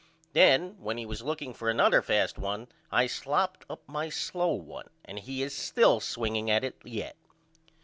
Then when he was looking for another fast one I slopped up my slow one and he is still swinging at it yet.